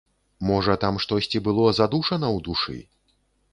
Можа, там штосьці было задушана ў душы?